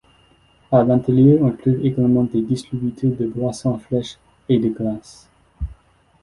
À l'intérieur on trouve également des distributeurs de boissons fraîches et de glaces.